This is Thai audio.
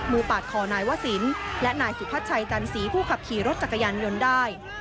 ปาดคอนายวศิลป์และนายสุพัชชัยจันสีผู้ขับขี่รถจักรยานยนต์ได้